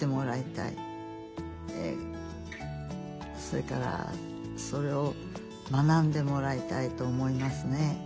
それからそれを学んでもらいたいと思いますね。